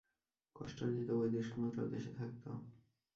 কষ্টার্জিত বৈদেশিক মুদ্রাও দেশে থাকত।